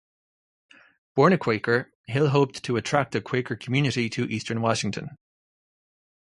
Born a Quaker, Hill hoped to attract a Quaker community to eastern Washington.